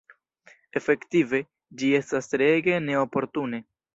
Efektive, ĝi estas treege neoportune!